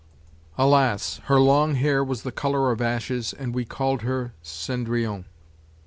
Alas! her long hair was the color of ashes and we called her Cendrillon.